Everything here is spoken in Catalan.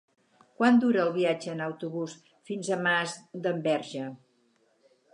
Quant dura el viatge en autobús fins a Masdenverge?